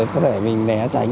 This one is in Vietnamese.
có thể mình né tránh